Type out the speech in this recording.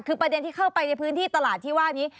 คือประเด็นที่เข้าไปในพื้นที่ตลาดที่ว่านี้